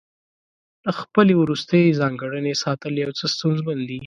د خپلې وروستۍ ځانګړنې ساتل یو څه ستونزمن دي.